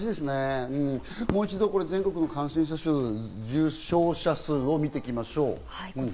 もう一度、全国の感染者数、重症者数を見ていきましょう。